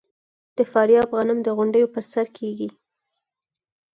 د فاریاب غنم د غونډیو په سر کیږي.